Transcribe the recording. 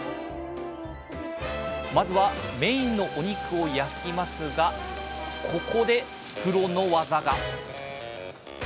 まずはメインのお肉を焼きますがここでプロの技が！